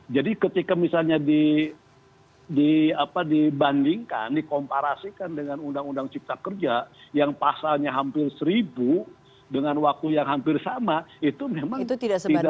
jadi ketika misalnya dibandingkan dikomparasikan dengan undang undang cipta kerja yang pasalnya hampir seribu dengan waktu yang hampir sama itu memang tidak beda